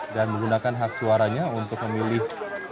dan menggunakan hak suaranya untuk memilih